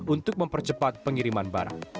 untuk mempercepat pengiriman barang